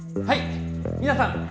はい皆さん